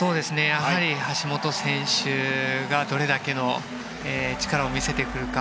橋本選手がどれだけの力を見せてくるか。